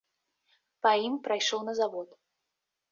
Па ім прайшоў на завод.